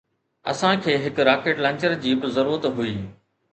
اسان کي هڪ راڪيٽ لانچر جي به ضرورت هئي